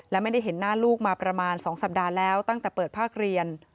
และไม่ได้เห็นหน้าลูกมาประมาณ๒สัปดาห์แล้วตั้งแต่เปิดภาคเรียน